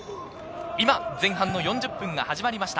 今、前半の４０分が始まりました。